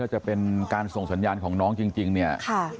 จะเป็นการส่งสัญญาณของน้องจริงเนี่ย